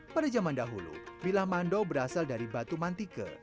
pada zaman dahulu bilah mandau berasal dari batu mantike